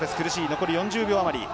残り４０秒あまり。